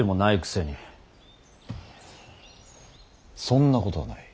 そんなことはない。